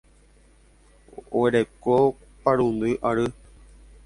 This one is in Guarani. Oguereko parundy ary.